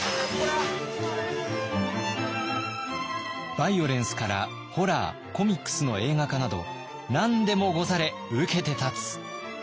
バイオレンスからホラーコミックスの映画化など何でもござれ受けて立つ。